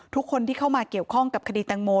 ทุกคนที่เข้ามาเกี่ยวข้องกับคดีแตงโม